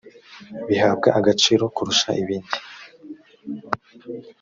bihabwa agaciro kurusha ibindi